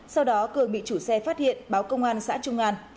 sau đó cường bị chủ xe phát hiện báo công an xã trung an